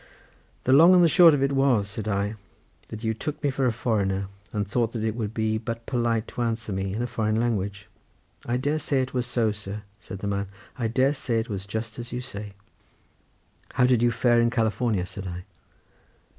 "The long and short of it was," said I, "that you took me for a foreigner, and thought that it would be but polite to answer me in a foreign language." "I dare say it was so, sir," said the man. "I dare say it was just as you say." "How did you fare in California?" said I.